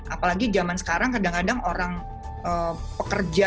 apalagi zaman sekarang kadang kadang orang pekerja